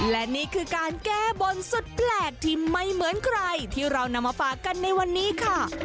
และนี่คือการแก้บนสุดแปลกที่ไม่เหมือนใครที่เรานำมาฝากกันในวันนี้ค่ะ